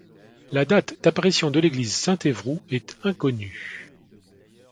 La date d'apparition de l'église Saint-Évroult est inconnue.